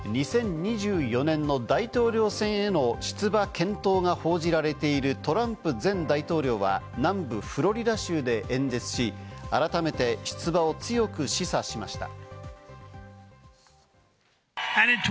２０２４年の大統領選への出馬検討が報じられているトランプ前大統領は、南部フロリダ州で演説し、改めて出馬を強く示唆しました。